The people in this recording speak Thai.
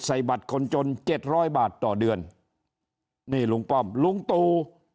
ใส่บัตรคนจน๗๐๐บาทต่อเดือนนี่ลุงป้อมลุงตู